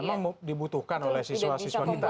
memang dibutuhkan oleh siswa siswa kita